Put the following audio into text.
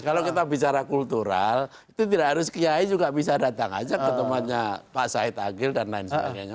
kalau kita bicara kultural itu tidak harus keyai juga bisa datang aja ketemuan pak syahid agil dan lain sebagainya